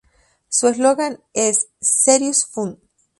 Su eslogan es "Serious Fun".